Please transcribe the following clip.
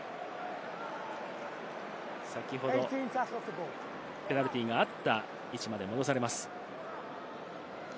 先ほどペナルティーがあった位置まで戻されます。